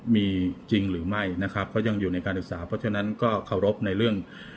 มีจริงหรือไม่นะครับเขายังอยู่ในการศึกษาเพราะฉะนั้นก็เคารพในเรื่อง